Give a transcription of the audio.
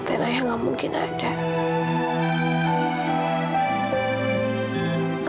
dan ayah nggak mungkin ada